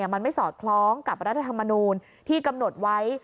มันไม่สอดคล้องกับรัฐธรรมนูลที่กำหนดไว้